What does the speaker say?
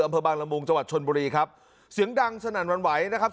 อำเภอบางละมุงจังหวัดชนบุรีครับเสียงดังสนั่นวันไหวนะครับ